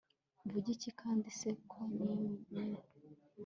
mvuge iki kandi?se ko numiwe